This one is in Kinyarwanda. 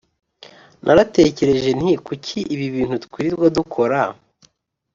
Naratekereje nti kuki ibi bintu twirirwa dukora